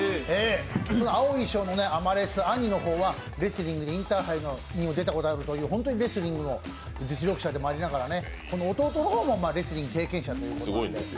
青い方のアマレス兄の方はレスリングのインターハイにも出たことがあるという本当にレスリングの実力者でもありながら弟の方もレスリング経験者です。